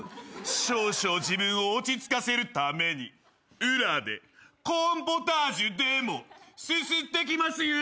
少々自分を落ち着かせるために裏でコーンポタージュでもすすってきます故。